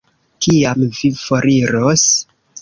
Kiam vi foriros?